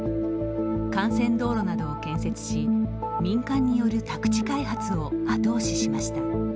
幹線道路などを建設し民間による宅地開発を後押ししました。